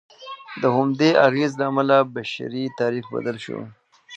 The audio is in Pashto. د همدې اغېز له امله بشري تاریخ بدل شو.